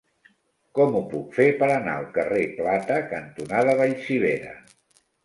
Com ho puc fer per anar al carrer Plata cantonada Vallcivera?